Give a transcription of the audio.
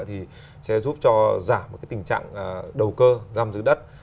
thì sẽ giúp cho giảm cái tình trạng đầu cơ căm giữ đất